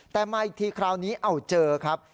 แต่มาอีกทีคราวนี้เอาเจอครับ